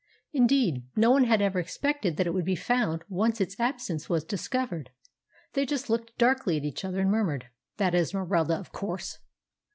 Indeed, no one had ever expected that it would be found once its absence was discovered; they just looked darkly at each other and murmured, "That Esmeralda, of course."